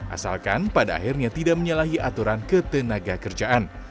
asalkan pada akhirnya tidak menyalahi aturan ketenaga kerjaan